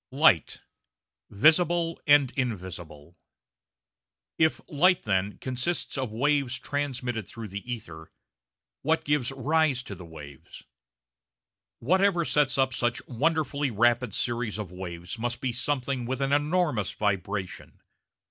LIGHT VISIBLE AND INVISIBLE If Light, then, consists of waves transmitted through the ether, what gives rise to the waves? Whatever sets up such wonderfully rapid series of waves must be something with an enormous vibration.